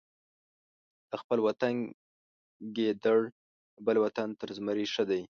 د خپل وطن ګیدړ د بل وطن تر زمري ښه دی.